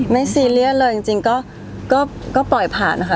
ไม่ซีเรียนเลยจริงก็ปล่อยผ่านค่ะ